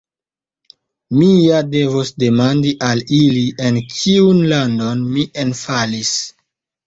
Mi ja devos demandi al ili en kiun landon mi enfalis.